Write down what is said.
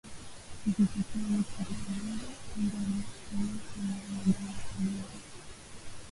ikitokea mtu akakubandikia kwamba umekamatwa na madawa ya kulevya